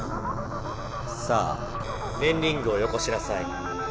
さあねんリングをよこしなさい！